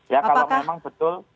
ya kalau memang betul